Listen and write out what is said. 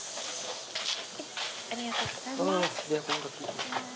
・ありがとうございます。